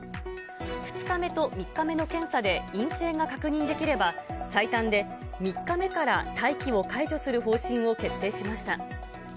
２日目と３日目の検査で陰性が確認できれば、最短で３日目から待機を解除する方針を決定しました。